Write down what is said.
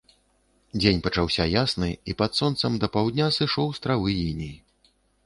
Дзень пачаўся ясны, і пад сонцам да паўдня сышоў з травы іней.